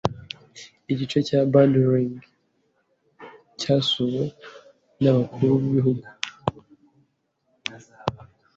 Igice cya Badaling - cyasuwe n'abakuru b'ibihugu